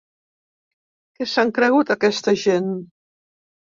Què s’han cregut, aquesta gent?